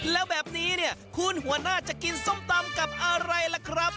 แล้วแบบนี้เนี่ยคุณหัวหน้าจะกินส้มตำกับอะไรล่ะครับ